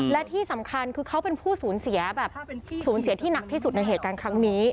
และที่สำคัญคือเขาเป็นผู้สูญเสียแบบสูญเสียที่หนักที่สุดในเหตุการณ์ครั้งนี้